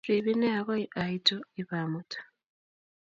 Rib inee akoi aitu ipamut